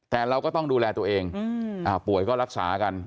แต่เราก็ต้องดูแลตัวเองป่วยก็รักษากัน